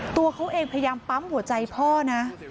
ตัวเขาเองพยายามปั๊มหัวใจพ่อนะ